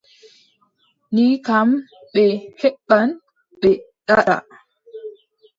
Ni kam, ɓe heɓɓan ɓe daɗɗa.